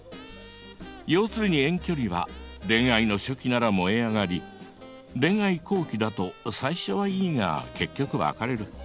要するに遠距離は恋愛の初期なら燃え上がり恋愛後期だと最初はいいが結局別れる。